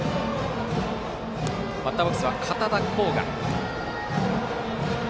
バッターボックスは堅田紘可。